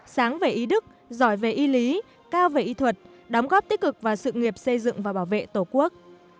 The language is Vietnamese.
sáng về ý đức giỏi về y lý cao về y thuật đóng góp tích cực vào sự nghiệp xây dựng và bảo vệ tổ quốc